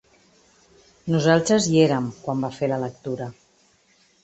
Nosaltres hi érem, quan va fer la lectura.